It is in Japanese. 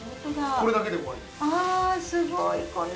これだけで終わり。